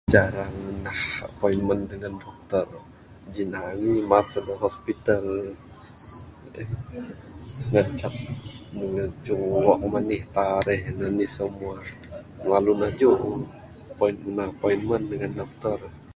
Cara ngundah appointment dengan doktor ginaji masa hospital ngancak mu ngejung wang menih tarikh nih semua lalu ngejung appointment dengan doktor.